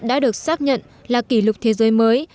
đã được xác nhận là kỷ lục thế giới mới